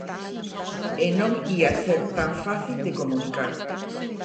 E non ía ser tan fácil de comunicar.